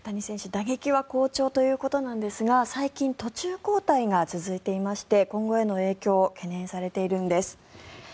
打撃は好調ということですが最近、途中交代が続いていまして今後への影響懸念されているんです。